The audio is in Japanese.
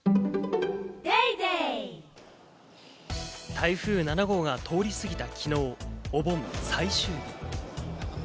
台風７号が通り過ぎた昨日、お盆最終日。